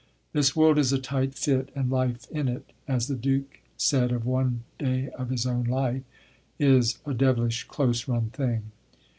This world is a tight fit, and life in it, as the Duke said of one day of his own life, is "a devilish close run thing."